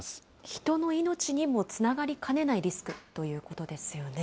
人の命にもつながりかねないリスクということですよね。